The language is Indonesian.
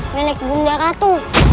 menek bunda ratu